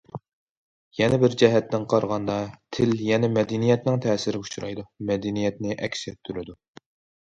يەنە بىر جەھەتتىن قارىغاندا، تىل يەنە مەدەنىيەتنىڭ تەسىرىگە ئۇچرايدۇ، مەدەنىيەتنى ئەكس ئەتتۈرىدۇ.